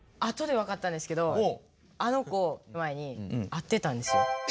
後でわかったんですけどあの子前に会ってたんですよ。